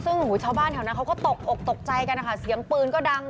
ซึ่งชาวบ้านแถวนั้นเขาก็ตกอกตกใจกันนะคะเสียงปืนก็ดัง